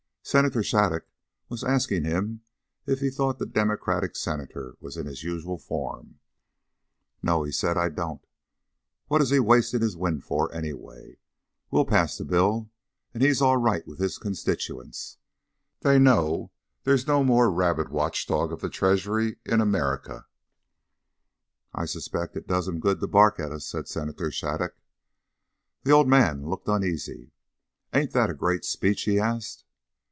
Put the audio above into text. Senator Shattuc was asking him if he thought the Democratic Senator was in his usual form. "No," he said, "I don't. What is he wasting his wind for, anyway? We'll pass the bill, and he's all right with his constituents. They know there's no more rabid watch dog of the Treasury in America." "I suspect it does him good to bark at us," said Senator Shattuc. The old man looked uneasy. "Ain't that a great speech?" he asked.